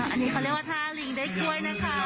อันนี้เขาเรียกว่าท่าลิงได้ช่วยนะคะ